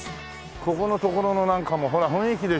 ここの所のなんかもほら雰囲気でしょ？